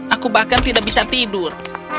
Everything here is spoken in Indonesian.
aku bahkan tidak bisa tidur